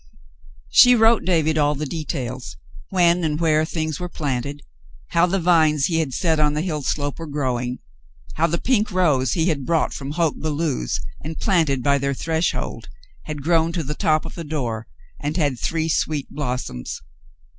She wrote David all the details : when and where things were planted — how the vines he had set on the hill slope were growing — how the pink rose he had brought from Hoke Belew's and planted by their threshold had grown to the top of the door, and had three sweet blossoms.